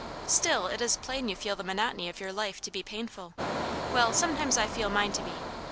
" Still, it is plain you feel the monotony of youi life to be painful. Well, sometimes I feel mine to be.